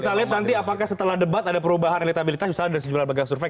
kita lihat nanti apakah setelah debat ada perubahan elektabilitas misalnya dari sejumlah lembaga survei